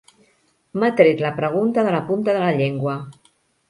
M'ha tret la pregunta de la punta de la llengua.